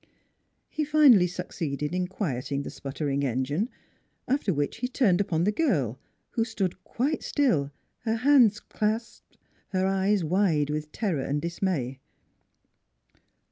He finally succeeded in quieting the sputtering engine, after which he turned upon the girl, who stood quite still, her hands clasped, her eyes wide with terror and dismay.